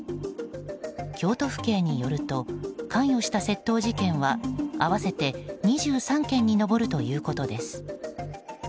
京都府警によると関与した窃盗事件は合わせて２３件に上るということです。